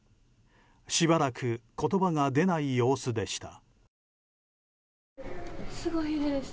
しばらく言葉が出ない様子でした。